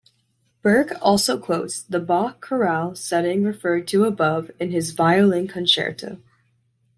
Berg also quotes the Bach chorale setting referred to above in his Violin Concerto.